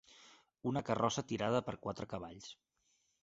Una carrossa tirada per quatre cavalls.